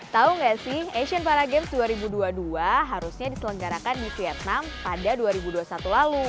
tahu nggak sih asian paragames dua ribu dua puluh dua harusnya diselenggarakan di vietnam pada dua ribu dua puluh satu lalu